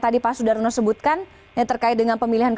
apakah sudah ada keterangan mungkin dari pak halidin ini